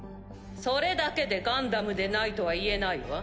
それだけでガンダムでないとは言えないわ。